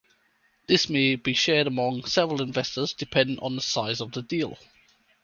This may be shared amongst several investors depending on the size of the deal.